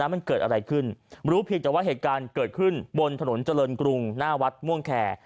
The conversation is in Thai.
มันเกิดอะไรขึ้นรู้เพียงแต่ว่าเหตุการณ์เกิดขึ้นบนถนนเจริญกรุงหน้าวัดม่วงแคร์